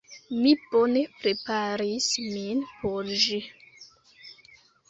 Mi bone preparis min por ĝi.